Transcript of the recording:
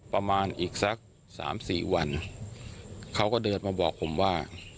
ประมาณอีกสักสามสี่วันเขาก็เดินมาบอกผมว่า